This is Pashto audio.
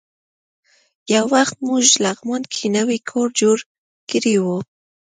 یو وخت موږ لغمان کې نوی کور جوړ کړی و.